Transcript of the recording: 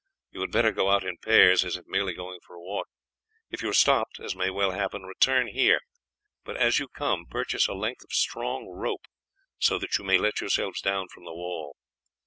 You had better go out in pairs as if merely going for a walk. If you are stopped, as may well happen, return here; but as you come purchase a length of strong rope, so that you may let yourselves down from the wall.